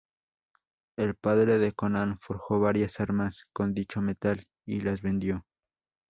El padre de Conan forjó varias armas con dicho metal y las vendió.